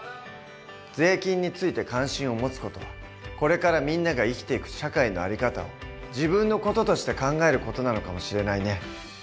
税金について関心を持つ事はこれからみんなが生きていく社会の在り方を自分の事として考える事なのかもしれないね。